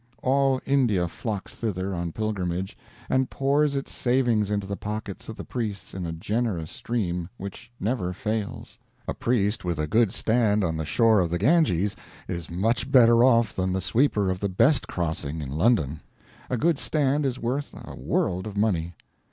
All India flocks thither on pilgrimage, and pours its savings into the pockets of the priests in a generous stream, which never fails. A priest with a good stand on the shore of the Ganges is much better off than the sweeper of the best crossing in London. A good stand is worth a world of money.